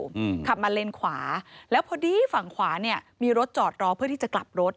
อืมขับมาเลนขวาแล้วพอดีฝั่งขวาเนี้ยมีรถจอดรอเพื่อที่จะกลับรถ